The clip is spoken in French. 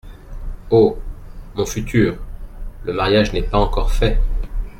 Oh ! mon futur ! le mariage n’est pas encore fait !